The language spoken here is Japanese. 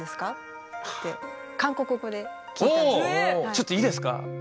ちょっといいですか？